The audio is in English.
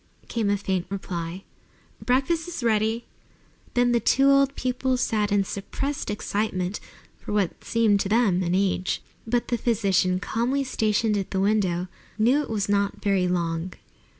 came a faint reply. "Breakfast is ready!" Then the two old people sat in suppressed excitement for what seemed to them an age. But the physician, calmly stationed at the window, knew it was not very long.